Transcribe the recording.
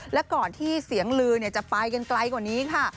และก่อนที่เสียงลือจะไปกันไกลกว่านี้ค่ะ